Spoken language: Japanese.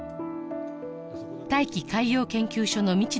大気海洋研究所の道田教授ら